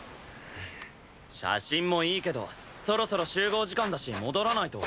写真もいいけどそろそろ集合時間だし戻らないと。